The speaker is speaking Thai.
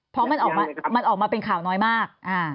เพราะมันออกมาเป็นข่าวน้อยมาก